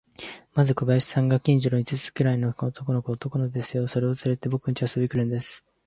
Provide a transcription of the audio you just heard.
まず小林さんが、近所の五つくらいの男の子を、男の子ですよ、それをつれて、ぼくんちへ遊びに来るんです。